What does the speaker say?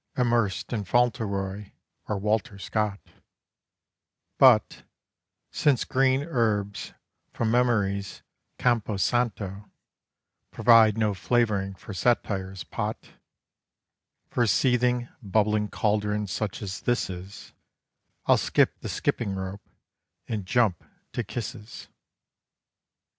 Immersed in "Fauntleroy" or Walter Scott: But, since green herbs from memory's campo santo Provide no flavouring for satire's pot, For seething, bubbling cauldron such as this is, I'll skip the skipping rope and jump to kisses.